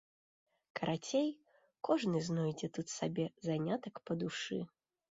Карацей, кожны знойдзе тут сабе занятак па душы.